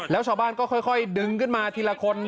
แล้วชาวบ้านก็ค่อยดึงขึ้นมาทีละคน